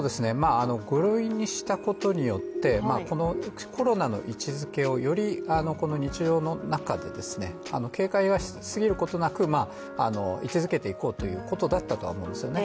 ５類にしたことによって、このコロナの位置づけをより日常の中で、警戒しすぎることなく位置づけていこうということだったと思うんですね。